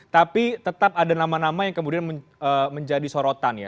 tapi tetap ada nama nama yang kemudian menjadi sorotan ya